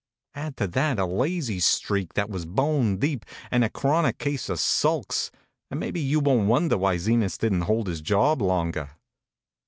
Add to that a lazy streak that was bone deep, and a chronic case of sulks, and maybe you won t wonder why Zenas didn t hold his job longer.